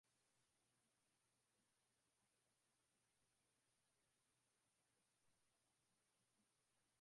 Seyyid alianzisha Biashara ya kubadilishana na wazungu waliyowekeza kwenye fukwe za Zanzibar